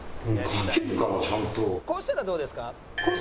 「こうしたらどうですか？」。